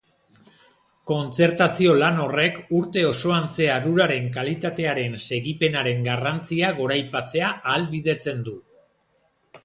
Kontzertazio lan horrek urte osoan zehar uraren kalitatearen segipenaren garrantzia goraipatzea ahalbideratzen du.